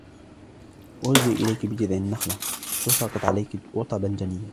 وهزي إليك بجذع النخلة تساقط عليك رطبا جنيا